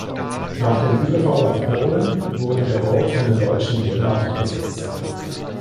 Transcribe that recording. Nach dem Überfall auf Polen wurde der Ort von der deutschen Wehrmacht besetzt.